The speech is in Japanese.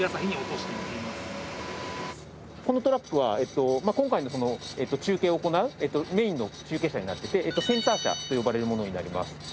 このトラックは今回のこの中継を行うメインの中継車になっててセンター車と呼ばれるものになります。